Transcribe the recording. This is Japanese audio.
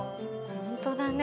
本当だね。